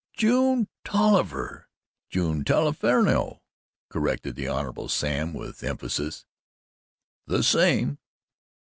"June Tolliver." "June Taliaferro," corrected the Hon. Sam with emphasis. "The same."